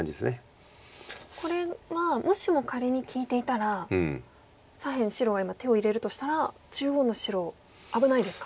これはもしも仮に利いていたら左辺白が今手を入れるとしたら中央の白危ないですか。